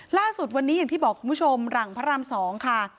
ล่าสุดวันนี้อย่างที่บอกคุณผู้ชมหลังพระราม๒ค่ะ